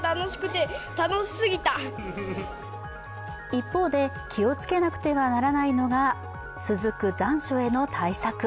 一方で気をつけなくてはならないのが続く残暑への対策。